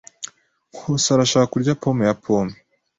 Nkusi arashaka kurya pome ya pome.